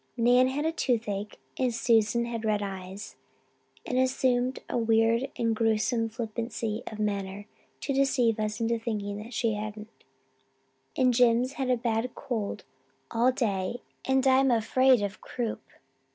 Nan had toothache and Susan had red eyes, and assumed a weird and gruesome flippancy of manner to deceive us into thinking she hadn't; and Jims had a bad cold all day and I'm afraid of croup.